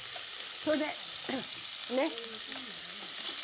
それでね？